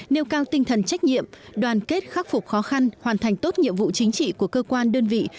nêu cao tinh thần trách nhiệm đoàn kết khắc phục khó khăn hoàn thành tốt nhiệm vụ chính trị của cơ quan đơn vị